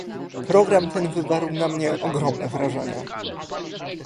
Program ten wywarł na mnie ogromne wrażenie